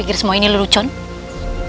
apakah kau tidak akan memikirkan semua ini